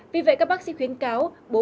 vì vậy các bác sĩ khuyến cáo